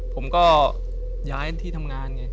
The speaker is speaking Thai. ผมก็ย้ายที่ทำงานไง